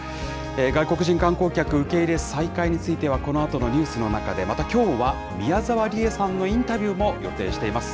外国人観光客受け入れ再開については、このあとのニュースの中で、またきょうは宮沢りえさんのインタビューも予定しています。